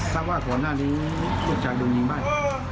สร้างว่าของหน้านี้ลูกชายโดนยิงบ้าน